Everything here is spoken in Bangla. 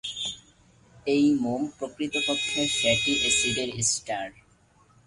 এই মোম প্রকৃতপক্ষে ফ্যাটি এসিডের ইস্টার।